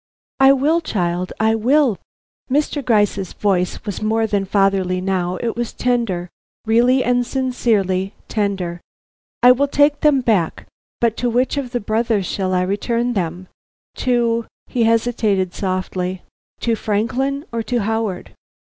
"I will, child, I will." Mr. Gryce's voice was more than fatherly now, it was tender, really and sincerely tender. "I will take them back; but to which of the brothers shall I return them? To" he hesitated softly "to Franklin or to Howard?"